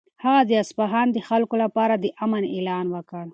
هغه د اصفهان د خلکو لپاره د امن اعلان وکړ.